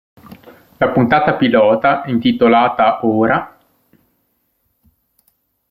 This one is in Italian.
La puntata pilota, intitolata "Ora...